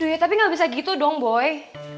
duh ya tapi nggak bisa gitu dong boy